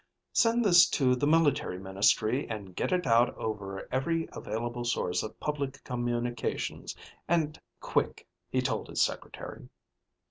"Send this to the Military Ministry and get it out over every available source of public communications, and quick," he told his secretary.